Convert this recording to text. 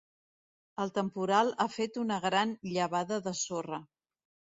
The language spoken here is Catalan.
El temporal ha fet una gran llevada de sorra.